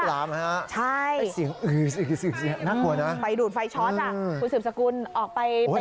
ถ้ายังไม่ละฮะน่ากลัว